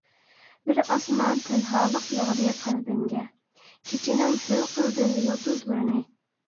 بىر ئاسمان تەنھالىق ياغدى قەلبىمگە كېچىنىڭ ھۆل قىلدىم يۇلتۇزلىرىنى.